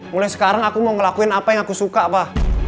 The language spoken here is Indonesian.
mulai sekarang aku mau ngelakuin apa yang aku suka bah